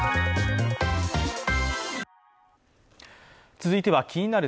続いては「気になる！